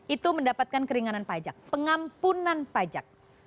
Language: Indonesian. itu mendapatkan keringanan pajak pengampunan pajak